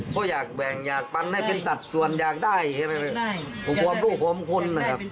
เพราะอยากแบ่งอยากปันให้เป็นสัตว์ส่วนอยากได้ความลูกความค้น